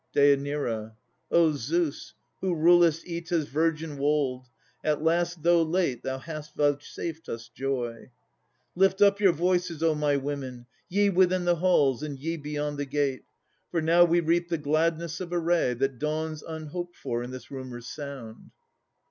DÊ. O Zeus! who rulest Oeta's virgin wold, At last, though late, thou hast vouchsafed us joy. Lift up your voices, O my women! ye Within the halls, and ye beyond the gate! For now we reap the gladness of a ray, That dawns unhoped for in this rumour's sound.